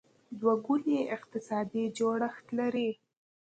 دوه ګونی اقتصادي جوړښت لري.